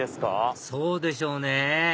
そうでしょうね